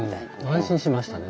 安心しましたね